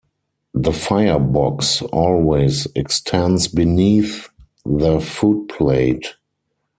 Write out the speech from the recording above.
The firebox always extends beneath the footplate.